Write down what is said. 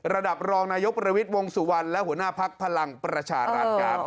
ระดับรองนายกประวิทย์วงสุวรรณและหัวหน้าพักพลังประชารัฐครับ